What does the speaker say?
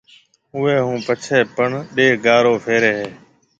اوئيَ ھون پڇيَ پَن ڏَي گارو ڦيرَي ھيََََ